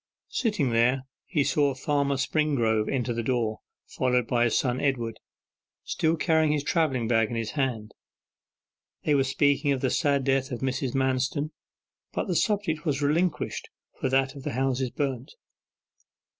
Sitting there he saw Farmer Springrove enter the door, followed by his son Edward, still carrying his travelling bag in his hand. They were speaking of the sad death of Mrs. Manston, but the subject was relinquished for that of the houses burnt.